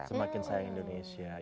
semakin sayang indonesia